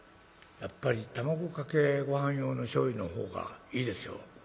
やっぱり卵かけごはん用のしょうゆの方がいいですよ」。